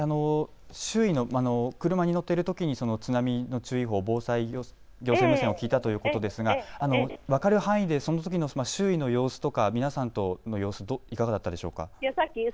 実際に周囲の車に乗っているときに津波の注意報、防災行政無線を聞いたということですが分かる範囲でそのときの周囲の様子とか皆さんの様子いかがだったでしょうか。